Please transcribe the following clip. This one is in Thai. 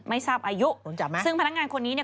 อายุซึ่งพนักงานคนนี้เนี่ย